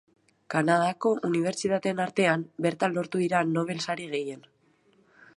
Kanadako unibertsitateen artean, bertan lortu dira Nobel Sari gehien.